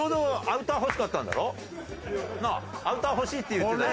アウター欲しいって言ってた。